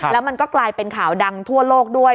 แล้วมันก็กลายเป็นข่าวดังทั่วโลกด้วย